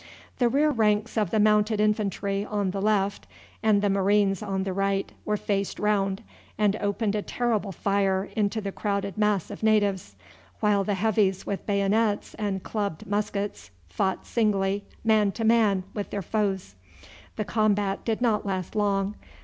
The rear ranks of the Mounted Infantry on the left and the Marines on the right were faced round, and opened a terrible fire into the crowded mass of natives, while the Heavies with bayonets and clubbed muskets fought singly, man to man, with their foes. The combat did not last long.